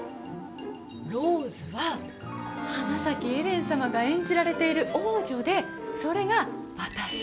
ローズは、花咲エレン様が演じられている王女で、それが私。